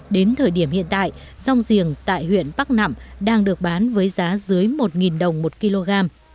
đến thời điểm hiện tại rong giềng tại huyện bắc nẵm đang được bán với giá dưới một đồng một kg